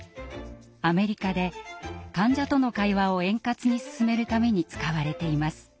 アメリカで患者との会話を円滑に進めるために使われています。